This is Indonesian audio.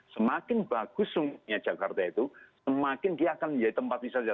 semakin bagus sungainya jakarta itu semakin dia akan menjadi tempat wisata